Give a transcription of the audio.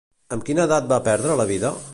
Amb quina edat va perdre la vida?